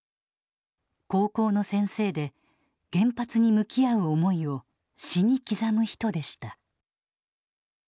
高校の先生で原発に向き合う思いを詩に刻む人でした。